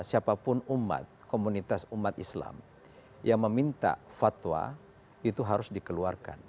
siapapun umat komunitas umat islam yang meminta fatwa itu harus dikeluarkan